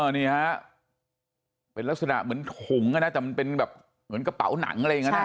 นี่ฮะเป็นลักษณะเหมือนถุงนะแต่มันเป็นแบบเหมือนกระเป๋าหนังอะไรอย่างนั้นนะ